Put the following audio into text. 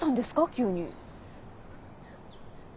急に。